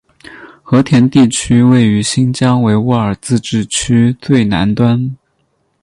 和田地区位于新疆维吾尔自治区最南端。